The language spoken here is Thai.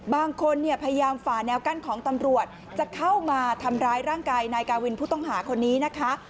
บางคนเนี่ยพยายามฝ่าแนวกั้นของตำรวจจะเข้ามาทำร้ายร่างกายนายกาวินผู้ต้องหาคนนี้นะคะ